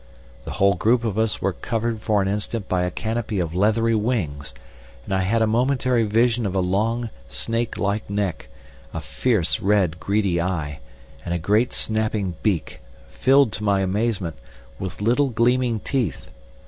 The whole group of us were covered for an instant by a canopy of leathery wings, and I had a momentary vision of a long, snake like neck, a fierce, red, greedy eye, and a great snapping beak, filled, to my amazement, with little, gleaming teeth.